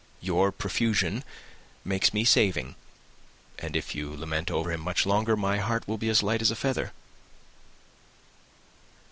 Your profusion makes me saving; and if you lament over him much longer, my heart will be as light as a feather."